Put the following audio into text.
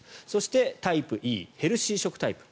そして、タイプＥヘルシー食タイプ。